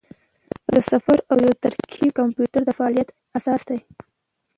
د صفر او یو ترکیب د کمپیوټر د فعالیت اساس دی.